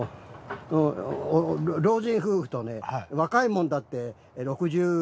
老人夫婦とね若いもんだって６０。